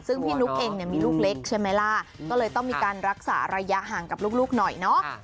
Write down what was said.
ซึ่งพี่นุ๊กเองเนี่ยมีลูกเล็กใช่ไหมล่ะก็เลยต้องมีการรักษาระยะห่างกับลูกหน่อยเนาะ